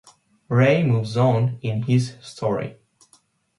Rei moves on in his story.